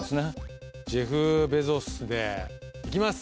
ジェフ・ベゾスでいきます